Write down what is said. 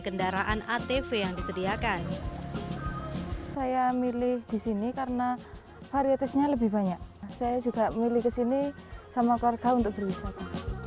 saya milih disini karena varietesnya lebih banyak saya juga milih kesini sama keluarga untuk berwisata